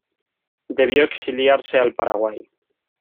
Debió exiliarse al Paraguay.